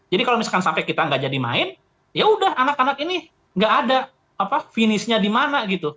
jadi kalau misalkan sampai kita nggak jadi main ya udah anak anak ini nggak ada finishnya di mana gitu